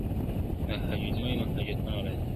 د حاجتمندو حاجتونه راځي ..